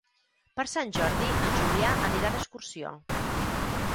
Per Sant Jordi en Julià anirà d'excursió.